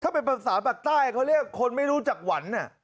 ถ้าเป็นภาพศาสตร์ประตาลเขาเรียกคนไม่รู้จักหวัน